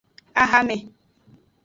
Ahame.